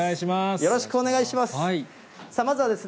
よろしくお願いします。